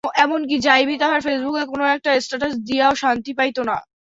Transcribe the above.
এমনকি যাইবি তাহার ফেসবুকে কোনো একটা স্ট্যাটাস দিয়াও শান্তি পাইত না।